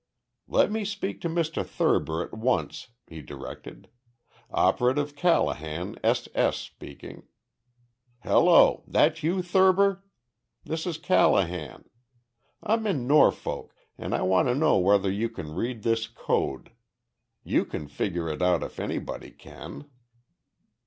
"Let me speak to Mr. Thurber at once," he directed. "Operative Callahan, S. S., speaking.... Hello! that you, Thurber?... This is Callahan. I'm in Norfolk and I want to know whether you can read this code. You can figure it out if anybody can.